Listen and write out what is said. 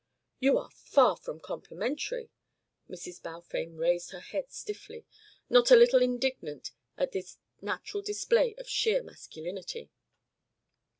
"You are far from complimentary!" Mrs. Balfame raised her head stiffly, not a little indignant at this natural display of sheer masculinity.